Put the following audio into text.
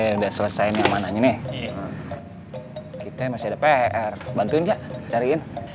ini kan lo pada udah selesain yang mananya nih kita masih ada pr bantuin kak cariin